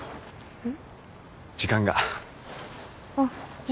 うん？